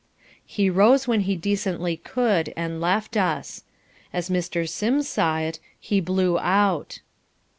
He rose when he decently could and left us. As Mr. Sims saw it, he "blew out."